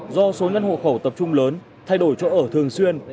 do số nhân hộ khẩu tập trung lớn thay đổi chỗ ở thường xuyên